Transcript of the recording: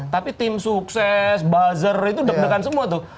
tapi tim sukses buzzer itu deg degan semua tuh